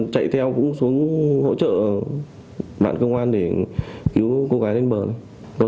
chạy theo cũng xuống hỗ trợ bạn công an để cứu cô gái lên bờ